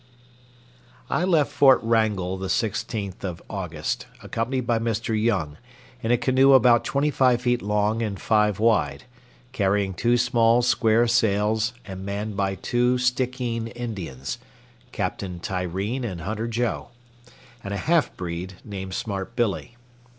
I left Fort Wrangell the 16th of August, accompanied by Mr. Young, in a canoe about twenty five feet long and five wide, carrying two small square sails and manned by two Stickeen Indians—Captain Tyeen and Hunter Joe—and a half breed named Smart Billy.